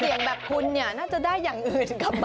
อย่างแบบคุณเนี่ยน่าจะได้อย่างอื่นกลับมา